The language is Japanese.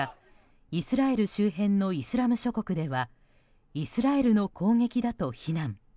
イスラエル周辺のイスラム諸国ではイスラエルの攻撃だと非難。